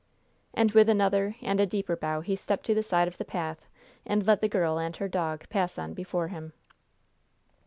And with another and a deeper bow he stepped to the side of the path and let the girl and her dog pass on before him.